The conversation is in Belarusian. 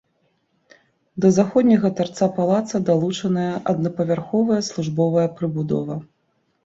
Да заходняга тарца палаца далучаная аднапавярховая службовая прыбудова.